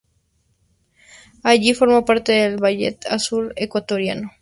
Allí formó parte del Ballet Azul ecuatoriano.